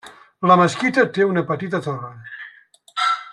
La mesquita té una petita torre.